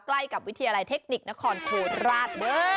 ใกล้กับวิทยาลัยเทคนิคนครโคราชเด้อ